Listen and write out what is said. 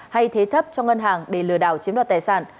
hay thế thấp cho ngân hàng để lừa đảo chiếm đoạt tài sản